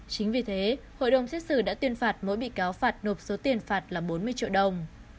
chính vì thế hội đồng xét xử đã tuyên phạt mỗi bị cáo phạt nộp số tiền phạt là bốn mươi triệu đồng